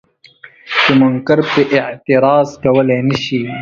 چې منکر پرې اعتراض کولی نه شي.